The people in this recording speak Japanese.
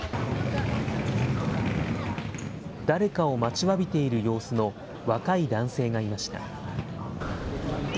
誰かを待ちわびている様子の若い男性がいました。